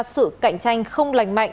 sự cạnh tranh không lành mạnh